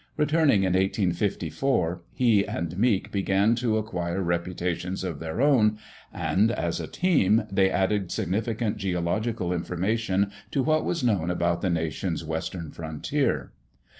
Returning in 1854, he and Meek began to acquire reputations of their own and, as a team, they added significant geological information to what was known about the Nation's Western frontier.